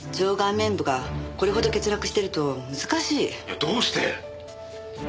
どうして！